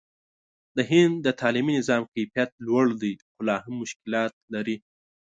د هند د تعلیمي نظام کیفیت لوړ دی، خو لا هم مشکلات لري.